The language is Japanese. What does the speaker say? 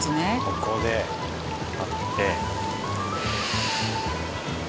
ここで張って。